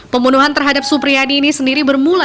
pembunuhan terhadap supriyadi ini sendiri bermula